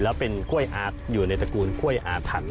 แล้วเป็นกล้วยอาร์ตอยู่ในตระกูลกล้วยอาถรรพ